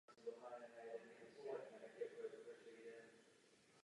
Tomuto povolání pak zasvětil zbytek života.